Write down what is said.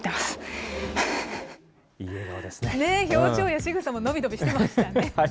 表情やしぐさも伸び伸びしてましたね。